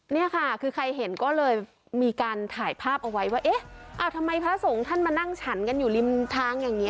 นี่ค่ะคือใครเห็นก็เลยมีการถ่ายภาพเอาไว้ว่าเอ๊ะทำไมพระสงฆ์ท่านมานั่งฉันกันอยู่ริมทางอย่างนี้